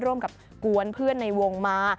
ร่วมกับกวนเพื่อนในวงมา